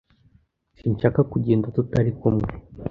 Sinshaka kugenda tutari kumwe